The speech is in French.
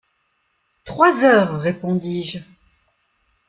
Trois heures, répondis-je.